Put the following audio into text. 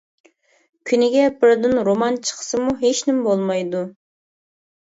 كۈنىگە بىردىن رومان چىقسىمۇ ھېچنېمە بولمايدۇ.